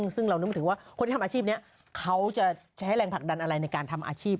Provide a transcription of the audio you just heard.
ซึ่งเรานึกถึงว่าคนที่ทำอาชีพนี้เขาจะใช้แรงผลักดันอะไรในการทำอาชีพ